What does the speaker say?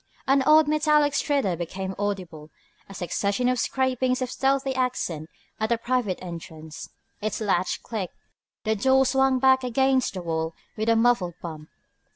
An odd metallic stridor became audible, a succession of scrapings of stealthy accent at the private entrance. Its latch clicked. The door swung back against the wall with a muffled bump.